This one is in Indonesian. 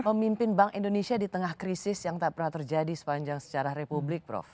pemimpin bank indonesia di tengah krisis yang tak pernah terjadi sepanjang sejarah republik prof